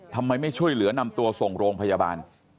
ทำไมไม่ช่วยเหลือนำตัวส่งโรงพยาบาล